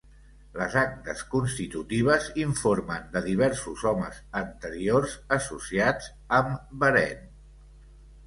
Les actes constitutives informen de diversos homes anteriors associats amb Warenne.